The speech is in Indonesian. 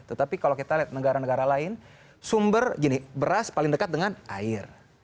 tetapi kalau kita lihat negara negara lain sumber gini beras paling dekat dengan air